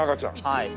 はい。